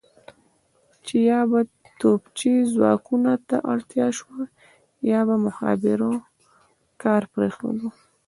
چې یا به توپچي ځواکونو ته اړتیا شوه یا به مخابرو کار پرېښود.